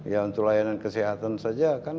ya untuk layanan kesehatan saja kan